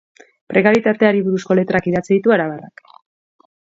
Prekarietateari buruzko letrak idatzi ditu arabarrak.